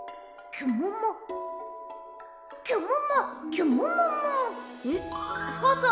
きゅもも。